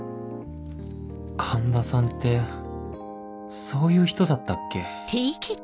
環田さんってそういう人だったっけ？